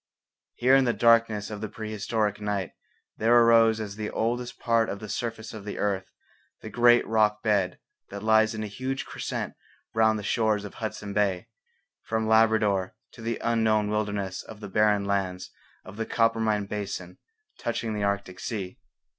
Here in the darkness of the prehistoric night there arose as the oldest part of the surface of the earth the great rock bed that lies in a huge crescent round the shores of Hudson Bay, from Labrador to the unknown wilderness of the barren lands of the Coppermine basin touching the Arctic sea.